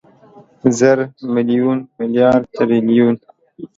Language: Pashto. زر، ميليون، ميليارد، تریلیون